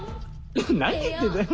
何言ってんだよ。